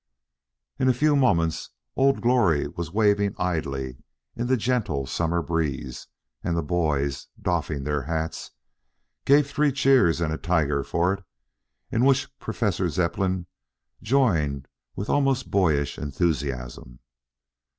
In a few moments Old Glory was waving idly in the gentle summer breeze and the boys, doffing their hats, gave three cheers and a tiger for it, in which Professor Zepplin joined with almost boyish enthusiasm.